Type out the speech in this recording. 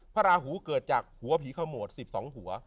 พระอาหูเกิดจากหัวผีเข้าหมดสิบสองหัว